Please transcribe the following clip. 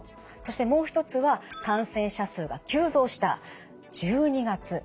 そしてもう一つは感染者数が急増した１２月。